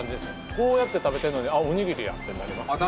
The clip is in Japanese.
こうやって食べてるのにあっおにぎりやってなりますああ